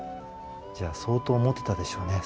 じゃあ相当モテたでしょうね